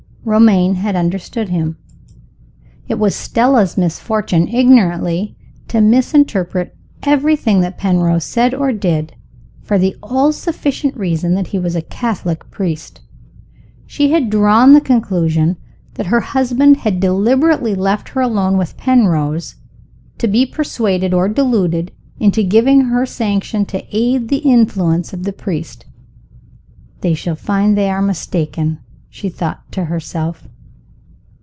Romayne had understood him. It was Stella's misfortune ignorantly to misinterpret everything that Penrose said or did, for the all sufficient reason that he was a Catholic priest. She had drawn the conclusion that her husband had deliberately left her alone with Penrose, to be persuaded or deluded into giving her sanction to aid the influence of the priest. "They shall find they are mistaken," she thought to herself.